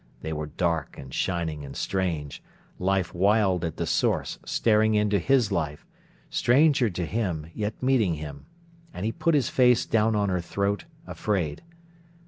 They were dark and shining and strange, life wild at the source staring into his life, stranger to him, yet meeting him; and he put his face down on her throat, afraid.